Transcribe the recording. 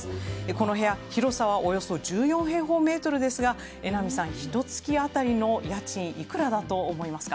この部屋、広さはおよそ１４平方メートルですが榎並さん、ひと月当たりの家賃いくらだと思いますか？